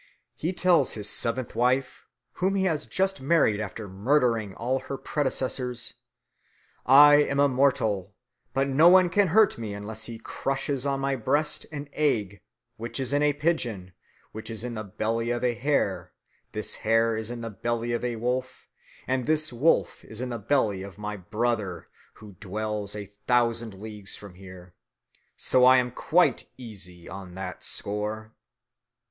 He tells his seventh wife, whom he has just married after murdering all her predecessors, "I am immortal, and no one can hurt me unless he crushes on my breast an egg, which is in a pigeon, which is in the belly of a hare; this hare is in the belly of a wolf, and this wolf is in the belly of my brother, who dwells a thousand leagues from here. So I am quite easy on that score."